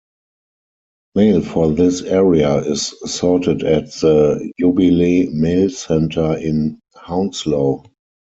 Mail for this area is sorted at the Jubilee Mail Centre in Hounslow.